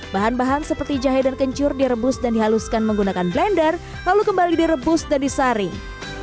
bahan bahan seperti jahe dan kencur direbus dan dihaluskan menggunakan blender lalu kembali direbus dan disaring